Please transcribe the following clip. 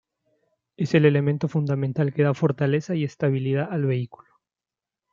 Es el elemento fundamental que da fortaleza y estabilidad al vehículo.